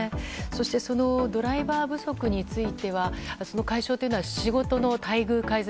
ドライバー不足については解消というのは仕事の待遇改善